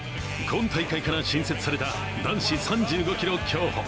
今大会から新設された男子３５ｋｍ競歩。